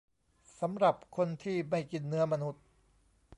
สำหรับคนที่ไม่กินเนื้อมนุษย์